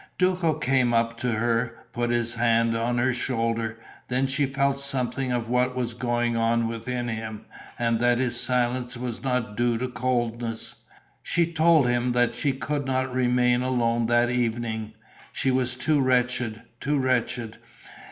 Duco came up to her, put his hand on her shoulder. Then she felt something of what was going on within him and that his silence was not due to coldness. She told him that she could not remain alone that evening: she was too wretched, too wretched.